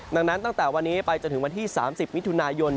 ดังนั้นตั้งแต่วันนี้ไปจนถึงวันที่๓๐มิถุนายน